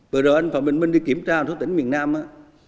vừa đầu anh phạm bình minh đi kiểm tra một số tỉnh miền nam á